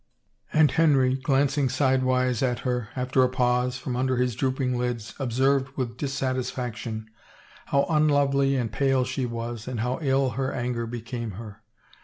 And Henry, glancing sidewise at her, after a pause, from under his drooping lids, observed with dissatisfac tion how unlovely and pale she was and how ill her anger became her.